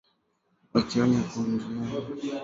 wakionya kuwa nchi hiyo iko hatarini